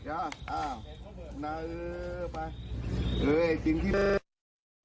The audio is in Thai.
อ่าน่าเออไปเฮ้ยจริงที่